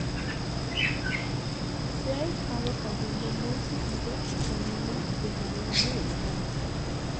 Se ha estado cayendo muy seguido y camina de manera muy extraña.